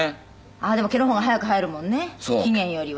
ああでも毛の方が早く生えるもんね期限よりは。